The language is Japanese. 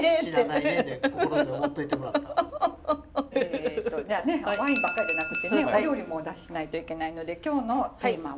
えっとじゃあねワインばっかりでなくってねお料理もお出ししないといけないので今日のテーマはですね